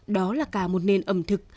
đó là cả một nền ẩm thực